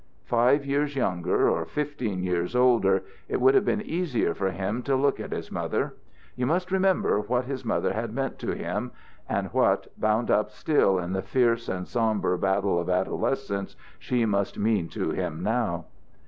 Five years younger, or fifteen years older, it would have been easier for him to look at his mother. You must remember what his mother had meant to him, and what, bound up still in the fierce and sombre battle of adolescence, she must mean to him now.